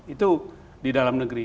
itu di dalam negeri